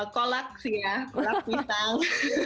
kolak sih ya kolak pisang